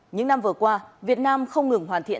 những năm vừa qua việt nam không ngừng hoàn thiện